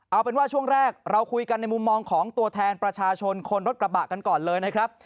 เอาเป็นว่าช่วงแรกเราคุยกันในมุมมองของตัวแทนประชาชนคนรถกระบะกันก่อนเลยนะครับ